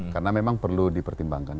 karena memang perlu dipertimbangkan